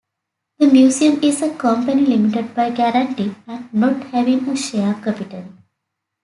The Museum is a company limited by guarantee and not having a share capital.